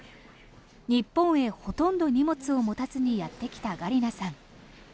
日本へほとんど荷物を持たずにやってきたガリナさん。